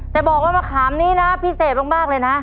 แต่บอกว่ามะขามนี้นะพิเศษมากเลยนะ